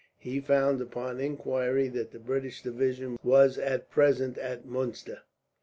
He found, upon inquiry, that the British division was at present at Muenster.